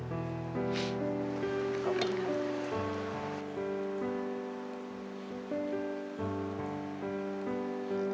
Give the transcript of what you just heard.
ขอบคุณครับ